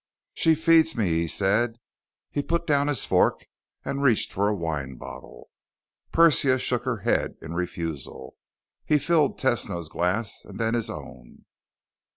"She feeds me," he said. He put down his fork and reached for a wine bottle. Persia shook her head in refusal. He filled Tesno's glass and then his own.